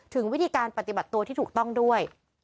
ถึงวิธีการปฏิบัติตัวที่ถูกต้องด้วย